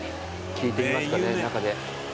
聞いてみますか中で。